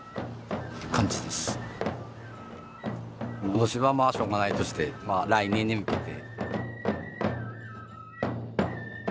今年はまあしょうがないとしてまあ来年に向けて。